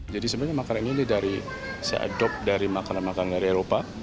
jadi sebenarnya makanan ini saya adopt dari makanan makanan dari eropa